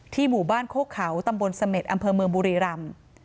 ที่หมู่บ้านโคเขาตำบลสเม็ดอำเภอเมืองบามม